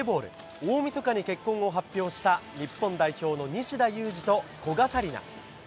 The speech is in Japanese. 大みそかに結婚を発表した日本代表の西田有志と古賀紗理那。